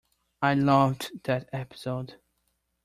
I loved that episode!